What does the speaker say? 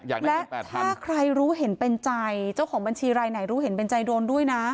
อยากได้แปดพันและถ้าใครรู้เห็นเป็นใจเจ้าของบัญชีไร่ไหนรู้เห็นเป็นใจโดนด้วยนะ